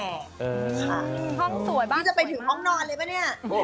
ห้องสวยบ้างจะไปถึงห้องนอนเลยป่ะเนี่ย